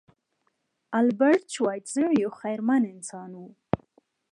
البرټ شوایتزر یو خیرمن انسان و.